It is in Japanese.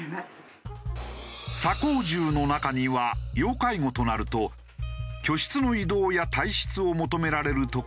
サ高住の中には要介護となると居室の移動や退室を求められる所もあるが。